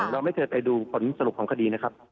เราไม่เคยไปดูผลสนุกของสถิตย์นะครับ